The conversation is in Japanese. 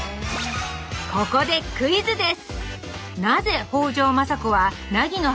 ここでクイズです！